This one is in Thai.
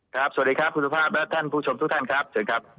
ครับสวัสดีครับคุณภาพท่านคุณผู้ชมทุกท่านครับ